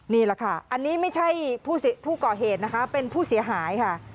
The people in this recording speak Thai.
นี่แหละค่ะอันนี้ไม่ใช่ผู้ก่อเหตุนะคะเป็นผู้เสียหายค่ะ